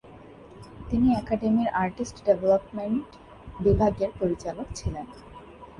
তিনি একাডেমির "artist development" বিভাগের পরিচালক ছিলেন।